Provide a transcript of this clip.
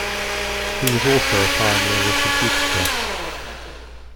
He was also a pioneer of computer chess.